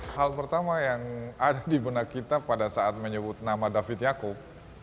hal pertama yang ada di benak kita pada saat menyebut nama david yakub